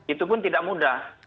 itu pun tidak mudah